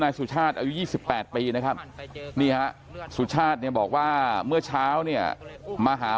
สุชาติอายุ๒๘ปีนะครับนี่ฮะสุชาติเนี่ยบอกว่าเมื่อเช้าเนี่ยมาหา